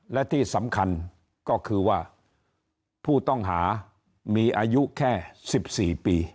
และที่สำคัญก็คือว่าผู้ต้องหามีอายุแค่๑๔ปี